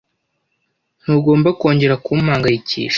Ntugomba kongera kumpangayikisha.